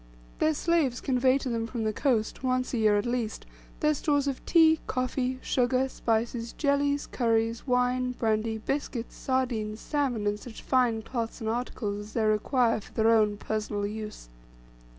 Their slaves convey to them from the coast, once a year at least, their stores of tea, coffee sugar, spices, jellies, curries, wine, brandy, biscuits, sardines, salmon, and such fine cloths and articles as they require for their own personal use.